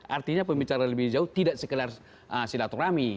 artinya pembicaraan lebih jauh tidak sekedar silaturahmi